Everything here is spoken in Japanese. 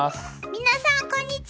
皆さんこんにちは！